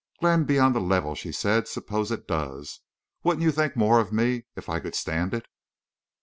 "Glenn, be on the level," she said. "Suppose it does. Wouldn't you think more of me if I could stand it?"